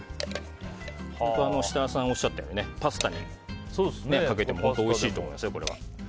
設楽さんがおっしゃったようにパスタにかけても本当おいしいと思いますよ。